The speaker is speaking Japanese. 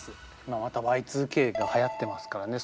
今またＹ２Ｋがはやってますからね。